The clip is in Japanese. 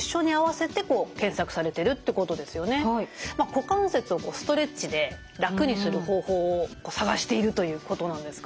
股関節をストレッチで楽にする方法を探しているということなんですかね？